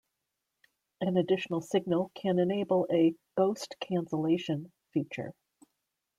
An additional signal can enable a "Ghost Cancellation" feature.